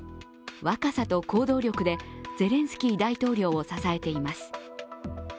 若さと行動力でゼレンスキー大統領を支えています。